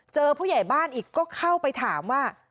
ผู้ใหญ่บ้านอีกก็เข้าไปถามว่า